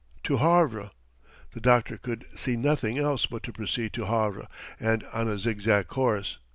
"To Havre." The doctor could see nothing else but to proceed to Havre, and on a zigzag course.